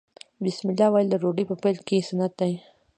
بسم الله ویل د ډوډۍ په پیل کې سنت دي.